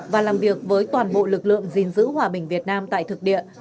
và làm việc với toàn bộ lực lượng gìn giữ hòa bình việt nam tại thực địa